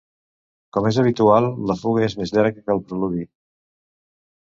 Com és habitual, la fuga és més llarga que el preludi.